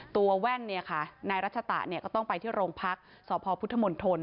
แว่นนายรัชตะก็ต้องไปที่โรงพักษ์สพพุทธมนตร